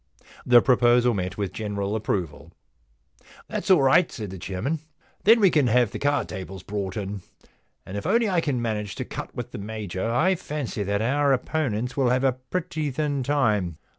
* The proposal met with general approval. * That's all right,' said the chairman. * Then we can have the card tables brought in. And if I can only manage to cut with the Major, I fancy that our opponents will have a pretty thin time.